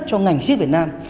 cho ngành siếc việt nam